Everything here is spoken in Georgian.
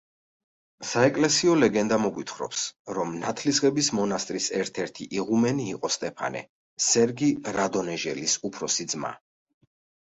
საეკლესიო ლეგენდა მოგვითხობს, რომ ნათლისღების მონასტრის ერთ-ერთი იღუმენი იყო სტეფანე, სერგი რადონეჟელის უფროსი ძმა.